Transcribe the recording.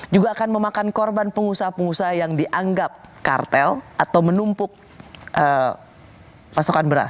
juga akan memakan korban pengusaha pengusaha yang dianggap kartel atau menumpuk pasokan beras